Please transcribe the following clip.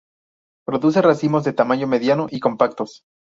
Produce racimos de tamaño mediano y compactos.